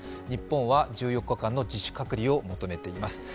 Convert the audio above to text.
日本は１４日間の自主隔離を求めています。